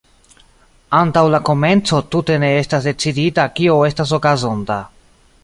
Antaŭ la komenco tute ne estas decidita kio estas okazonta.